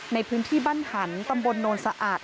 ในพื้นที่บ้านหันตำบลโนนสะอาด